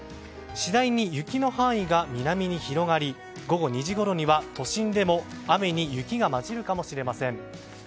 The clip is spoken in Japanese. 次第に雪の範囲が南に広がり午後２時ごろには都心でも雨に雪が交じるかもしれません。